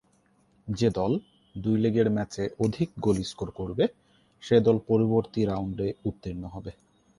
যে দল দুই লেগের ম্যাচে অধিক গোল স্কোর করবে সে দল পরবর্তী রাউন্ডে উত্তীর্ণ হবে।